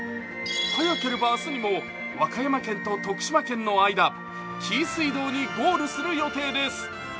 早ければ明日にも和歌山県と徳島県の間、紀伊水道にゴールする予定です。